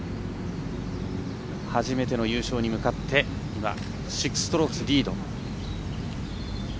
初めての優勝に向かって今６ストロークリード。